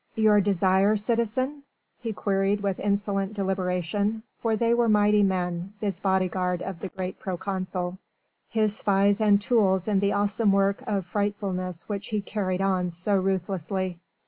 "Your desire, citizen?" he queried with insolent deliberation, for they were mighty men, this bodyguard of the great proconsul, his spies and tools in the awesome work of frightfulness which he carried on so ruthlessly.